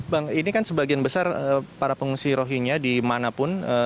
bang ini kan sebagian besar para pengungsi rohingya dimanapun